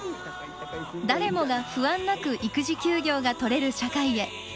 誰もが不安なく育児休業が取れる社会へ。